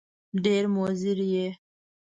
ډېر مضر یې !